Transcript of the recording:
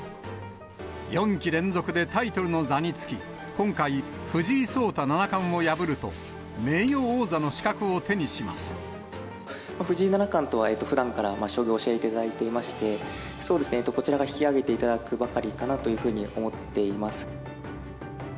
４期連続でタイトルの座に就き、今回、藤井聡太七冠を破ると、藤井七冠とは、ふだんから将棋を教えていただいてまして、そうですね、こちらが引き上げていただくばかりかなと思っています。